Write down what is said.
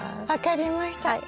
分かりました。